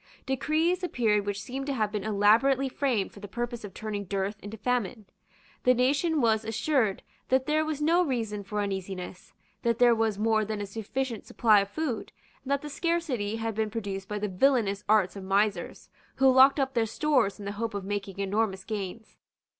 Decrees appeared which seemed to have been elaborately framed for the purpose of turning dearth into famine. The nation was assured that there was no reason for uneasiness, that there was more than a sufficient supply of food, and that the scarcity had been produced by the villanous arts of misers, who locked up their stores in the hope of making enormous gains.